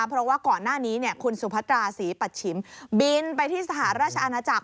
เพราะว่าก่อนหน้านี้คุณสุพัตราศรีปัชชิมบินไปที่สหราชอาณาจักร